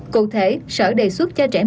cụ thể sở đề xuất cho trẻ mầm